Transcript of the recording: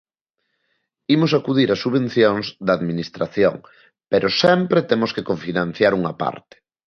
Imos acudir á subvenciones da administración pero sempre temos que cofinanciar unha parte.